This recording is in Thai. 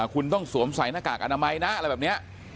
คุณต้องสวมใส่หน้ากากอนามัยนะอะไรแบบนี้